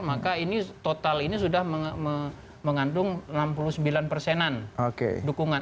maka ini total ini sudah mengandung enam puluh sembilan persenan dukungan